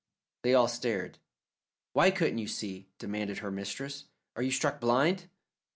They all stared. "Why couldn't you see?" demanded her mistress. "Are you struck blind?"